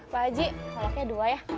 pak haji salaknya dua ya